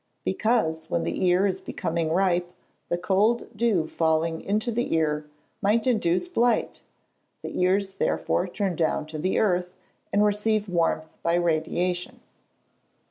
_ Because, when the ear is becoming ripe, the cold dew falling into the ear, might induce blight; the ears therefore turn down to the earth, and receive warmth by radiation.